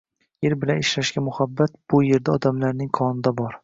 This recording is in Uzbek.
– yer bilan ishlashga muhabbat bu yerda odamlarning qonida bor.